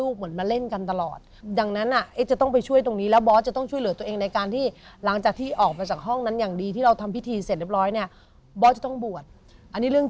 เขาไม่อยากให้เรายุ่ง